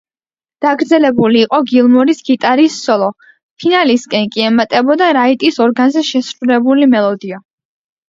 დაგრძელებული იყო გილმორის გიტარის სოლო, ფინალისკენ კი ემატებოდა რაიტის ორგანზე შესრულებული მელოდია.